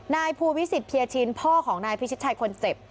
นายภูวิสิตเพียชินพ่อของนายพิชิตชัยคนเจ็บ